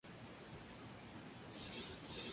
Fue desterrado cinco veces de su arquidiócesis.